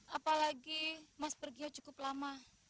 apalagi mas perginya cukup lama